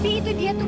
bibi itu dia tuh